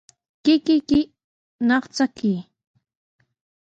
Kikiyki ñaqchakuy.